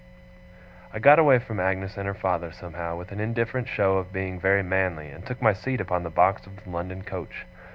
I got away from Agnes and her father, somehow, with an indifferent show of being very manly, and took my seat upon the box of the London coach.